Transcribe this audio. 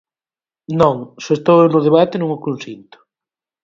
Non, se estou eu no debate non o consinto.